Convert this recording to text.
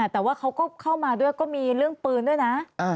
แต่ว่าเขาก็เข้ามาด้วยก็มีเรื่องปืนด้วยนะ